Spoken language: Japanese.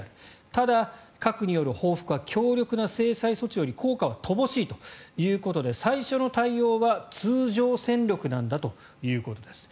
ただ、核による報復は強力な制裁措置より効果は乏しいということで最初の対応は通常戦力なんだということです。